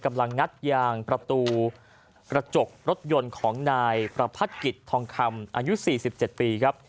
กำลังงัดยางประตูกระจกรถยนต์ของนายประพัติกิตรทองคำอายุสี่สิบเจ็ดปีครับ